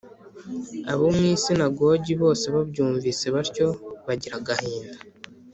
Abo mu isinagogi bose babyumvise batyo bagira agahinda